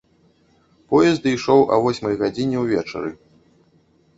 Поезд ішоў а восьмай гадзіне ўвечары.